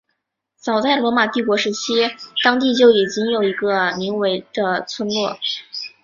早在罗马帝国时期当地就已经有一个名为的村落。